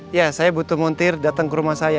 ya saya butuh montir datang ke rumah saya